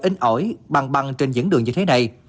in ổi bằng băng trên những đường như thế này